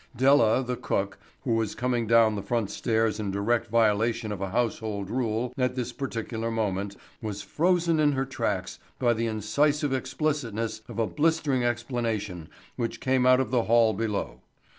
Della, the cook, who was coming down the front stairs in direct violation of a household rule at this particular moment, was frozen in her tracks by the incisive explicitness of a blistering exclamation which came up out of the hall below.